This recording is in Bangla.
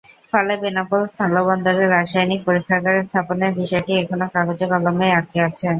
ফলে বেনাপোল স্থলবন্দরে রাসায়নিক পরীক্ষাগার স্থাপনের বিষয়টি এখনো কাগজে-কলমেই আটকে আছে।